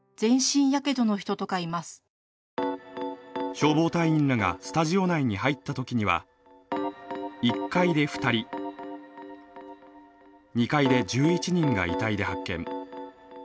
消防隊員らがスタジオ内に入ったときには１階で２人、２階で１１人が遺体で発見。